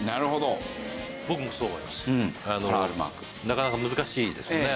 なかなか難しいですよね。